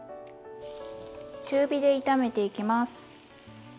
中火で炒めていきます。